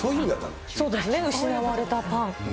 そうですね、失われたパン。